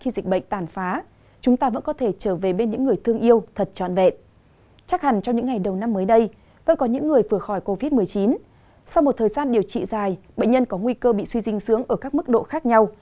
sau một thời gian điều trị dài bệnh nhân có nguy cơ bị suy dinh dưỡng ở các mức độ khác nhau